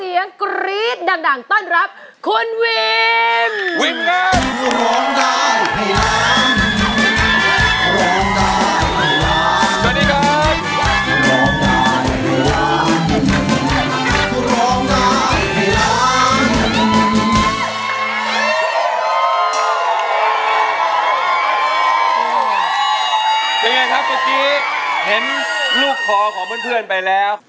เห็นลูกขอของเพื่อนไปแล้ว